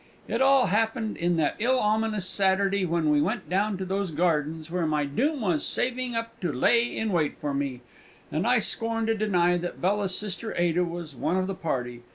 It all appened on that ill ominous Saturday when we went down to those Gardens where my Doom was saving up to lay in wait for me, and I scorn to deny that Bella's sister Ada was one of the party.